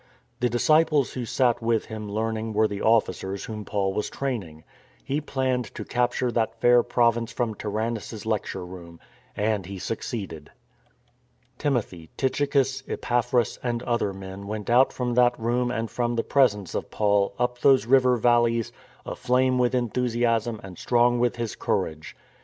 The disciples who sat with him learning were the officers whom Paul was training. He planned to capture that fair province from Tyran nus' lecture room. And he succeeded. Timothy, Tychicus, Epaphras, and other men went out from that room and from the presence of Paul up those river valleys, aflame with enthusiasm and strong with his courage.